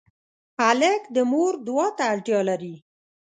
هلک د مور دعا ته اړتیا لري.